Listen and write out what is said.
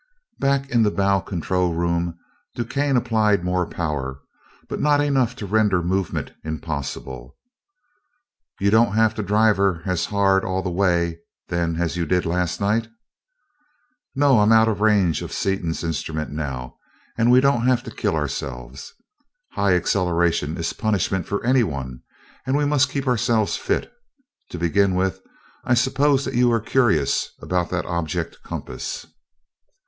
Back in the bow control room DuQuesne applied more power, but not enough to render movement impossible. "You don't have to drive her as hard all the way, then, as you did last night?" "No, I'm out of range of Seaton's instrument now, and we don't have to kill ourselves. High acceleration is punishment for anyone and we must keep ourselves fit. To begin with, I suppose that you are curious about that object compass?"